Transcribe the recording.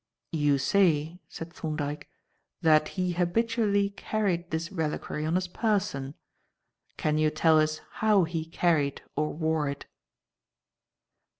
"You say," said Thorndyke, "that he habitually carried this reliquary on his person. Can you tell us how he carried or wore it?"